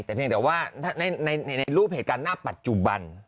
แต่เพียงแต่ว่าในรูปเหตุการณ์หน้าปัจจุบัน